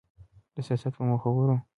د سياست په مخورو